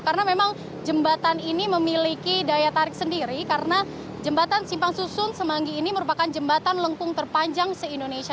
karena memang jembatan ini memiliki daya tarik sendiri karena jembatan simpang susun semanggi ini merupakan jembatan lengkung terpanjang se indonesia